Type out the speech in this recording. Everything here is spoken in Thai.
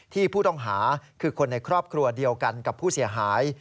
ผู้ต้องหาคือคนในครอบครัวเดียวกันกับผู้เสียหาย